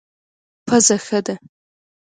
پزه ښه ده.